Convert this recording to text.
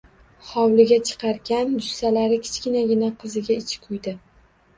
Hovliga chiqarkan jussalari kichkinagina qiziga ichi kuydi